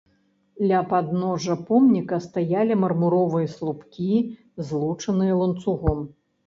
Ля падножжа помніка стаялі мармуровыя слупкі, злучаныя ланцугом.